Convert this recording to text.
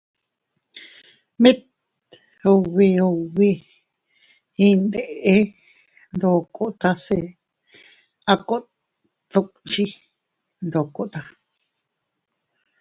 Mit ubi ubi iyndeʼe ndokota se a kot dukchit ndokota.